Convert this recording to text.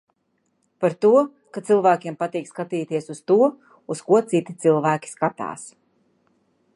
Par to, ka cilvēkiem patīk skatīties uz to, uz ko citi cilvēki skatās.